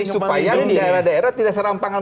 supaya daerah daerah tidak serampangan